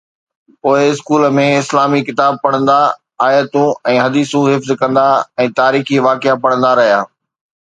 پوءِ اسڪول ۾ اسلامي ڪتاب پڙهندا، آيتون ۽ حديثون حفظ ڪندا ۽ تاريخي واقعا پڙهندا رهيا.